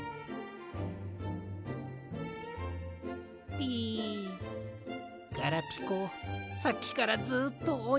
ピガラピコさっきからずっとおに。